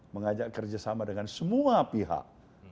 mengajak kerjasama dengan semua pihak